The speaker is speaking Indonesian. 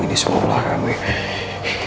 ini semua ulah kamu ya